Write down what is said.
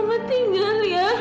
kava main baik ya kava ya